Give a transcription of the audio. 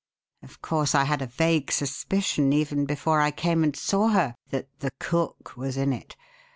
Of course I had a vague suspicion, even before I came and saw her, that 'the cook' was in it.